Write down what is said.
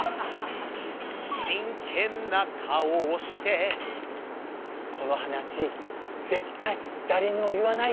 真剣な顔をしてこの話絶対誰にも言わないでね。